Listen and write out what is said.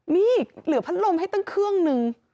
นี่เหลือพัดลมให้ตั้งเครื่องนึง